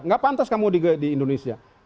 gak pantas kamu di indonesia